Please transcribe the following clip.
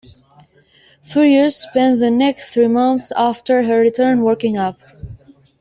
"Furious" spent the next three months after her return working up.